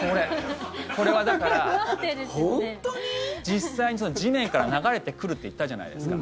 これはだから実際に地面から流れてくるって言ったじゃないですか。